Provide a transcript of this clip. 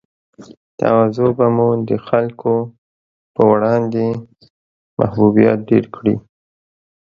تواضع به مو د خلګو پر وړاندې محبوبیت ډېر کړي